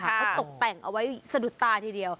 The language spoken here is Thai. เขาตกแต่งเอาไว้สะดุดตาทีเดียว